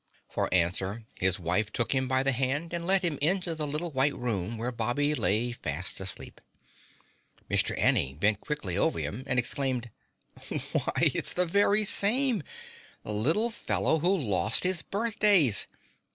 For answer, his wife took him by the hand and led him into the little white room where Bobby lay fast asleep. Mr. Anning bent quickly over him and exclaimed: "Why, it's the very same! The little fellow who lost his birthdays!